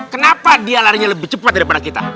kenapa dia larinya lebih cepat daripada kita